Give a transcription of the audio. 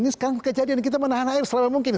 ini sekarang kejadian kita menahan air selama mungkin